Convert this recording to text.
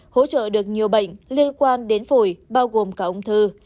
hỗ trợ được nhiều bệnh liên quan đến phổi bao gồm cả ung thư